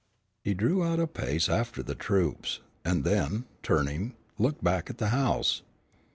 He drew out a pace after the troops, and then, turning, looked back at the house.